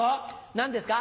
何ですか？